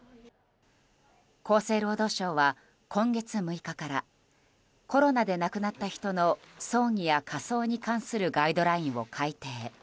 厚生労働省は今月６日からコロナで亡くなった人の葬儀や火葬に関するガイドラインを改訂。